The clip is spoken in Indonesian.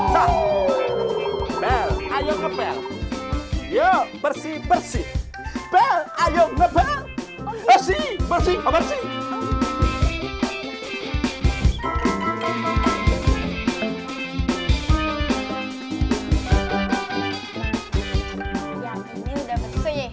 bel ayo ke bel yo bersih bersih bel ayo ke bel bersih bersih